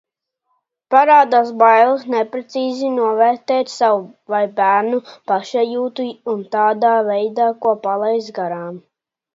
Parādās bailes neprecīzi novērtēt savu vai bērnu pašsajūtu, un tādā veidā ko palaist garām.